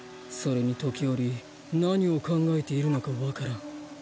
それに時折何を考えているのかわからん。